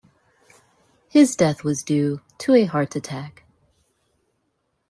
His death was due to a heart attack.